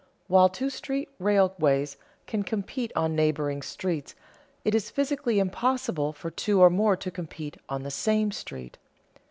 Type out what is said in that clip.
While two street railways can compete on neighboring streets, it is physically impossible for two or more to compete on the same street.